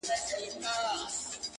زما یادیږي چي سپین ږیرو به ویله-